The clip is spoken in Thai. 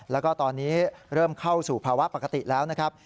แล้วก็ตอนนี้เริ่มเข้าสู่ภาวะปกติแล้วนะครับ